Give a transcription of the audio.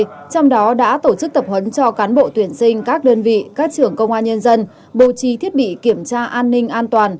trong đó đã tổ chức tập huấn cho cán bộ tuyển sinh các đơn vị các trưởng công an nhân dân bố trí thiết bị kiểm tra an ninh an toàn